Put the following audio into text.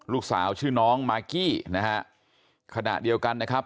ลูกสาวชื่อน้องมากกี้นะฮะขณะเดียวกันนะครับ